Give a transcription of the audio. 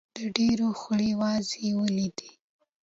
د ډېرو خولې وازې ولیدې.